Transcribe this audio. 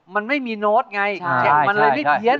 มันไม่มีโน้ตไงมันเลยไม่เพี้ยน